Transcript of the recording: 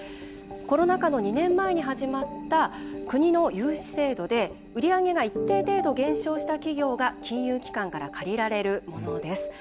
コロナ禍の２年前に始まった国の融資制度で売り上げが一定程度減少した企業が金融機関から借りられるものです。